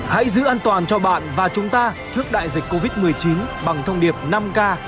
hãy giữ an toàn cho bạn và chúng ta trước đại dịch covid một mươi chín bằng thông điệp năm k